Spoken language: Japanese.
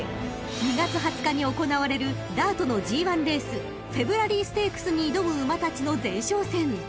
［２月２０日に行われるダートのＧⅠレースフェブラリーステークスに挑む馬たちの前哨戦］